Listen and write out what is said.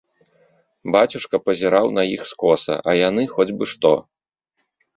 Бацюшка пазіраў на іх скоса, а яны хоць бы што.